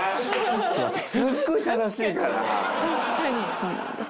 そうなんです。